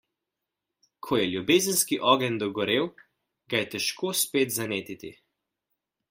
Ko je ljubezenski ogenj dogorel, ga je težko spet zanetiti.